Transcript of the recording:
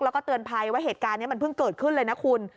แล้วก็เตือนภัยว่าเหตุการณ์นี้มันเพิ่งเกิดขึ้นเลยนะคุณ